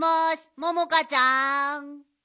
ももかちゃん！